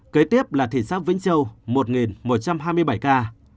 kế tiếp là thị xã vĩnh châu một một trăm hai mươi bảy ca